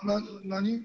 何。